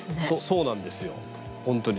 そうなんですよ、本当に。